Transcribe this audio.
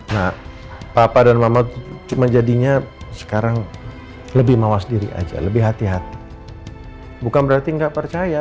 nah papa dan mama cuma jadinya sekarang lebih mawas diri aja lebih hati hati bukan berarti nggak percaya